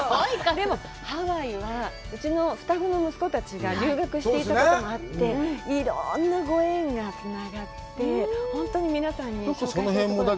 でもハワイはうちの双子の息子たちが留学していたこともあって、いろんなご縁がつながって本当に皆さんにも紹介したいって。